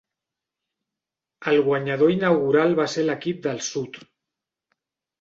El guanyador inaugural va ser l'equip del Sud.